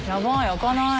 開かない。